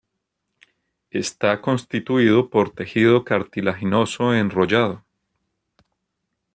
Está constituido por tejido cartilaginoso enrollado.